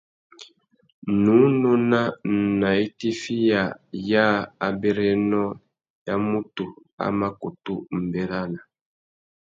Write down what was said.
Nnú nôna nà itifiya yâā abérénô ya mutu a mà kutu mʼbérana.